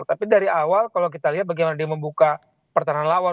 tapi dari awal kalau kita lihat bagaimana dia membuka pertahanan lawan